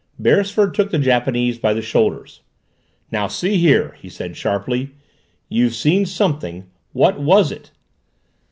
Beresford took the Japanese by the shoulders. "Now see here!" he said sharply. "You've seen something! What was it!"